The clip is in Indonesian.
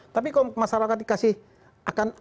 tapi kalau masyarakat dikasih akan